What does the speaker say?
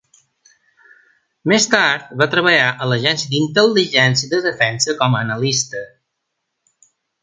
Més tard, va treballar a l'Agència d'intel·ligència de defensa com a analista.